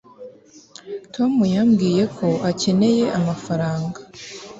tom yambwiye ko ukeneye amafaranga